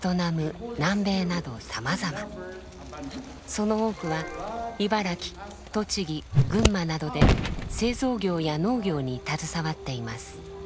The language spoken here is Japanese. その多くは茨城栃木群馬などで製造業や農業に携わっています。